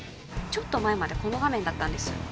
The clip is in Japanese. ちょっと前までこの画面だったんです